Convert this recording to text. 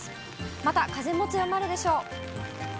また風も強まるでしょう。